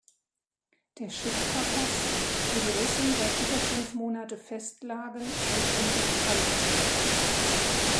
Der Schipkapass, wo die Russen seit über fünf Monate fest lagen, sollte endlich fallen.